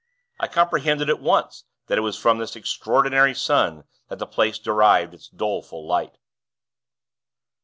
I comprehended, at once, that it was from this extraordinary sun that the place derived its doleful light.